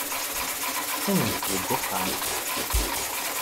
Qqimemt deg uxxam.